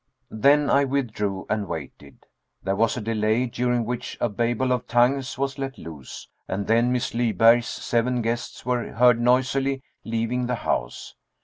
Then I withdrew and waited. There was a delay, during which a Babel of tongues was let loose, and then Miss Lyberg's seven guests were heard noisily leaving the house.